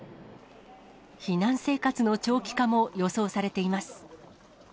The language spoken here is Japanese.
避難生活の長期化も予想されています。